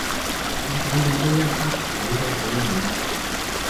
我等咗呢一刻等咗好耐嘞